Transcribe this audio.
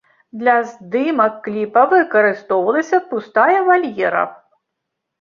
Для здымак кліпа выкарыстоўвалася пустая вальера.